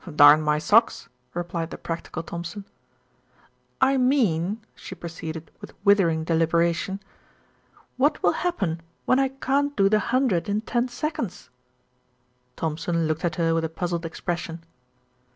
"Darn my socks," replied the practical Thompson. "I mean," she proceeded with withering deliberation, "what will happen when I can't do the hundred in ten seconds?" Thompson looked at her with a puzzled expression.